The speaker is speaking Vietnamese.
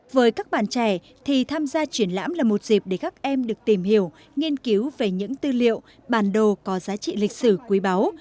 với các bạn trẻ thì tham gia triển lãm là một dịp để các em được tìm hiểu nghiên cứu về những tư liệu bản đồ có giá trị lịch sử quý báu